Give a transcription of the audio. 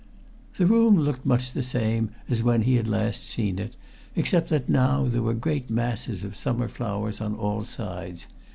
The room looked much the same as when he had last seen it, except that now there were great masses of summer flowers on all sides.